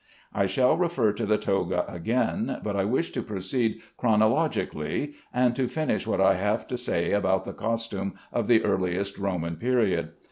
I shall refer to the toga again, but I wish to proceed chronologically, and to finish what I have to say about the costume of the earliest Roman period.